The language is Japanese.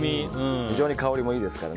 非常に香りもいいですから。